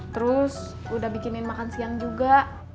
terus udah bikinin makan siang juga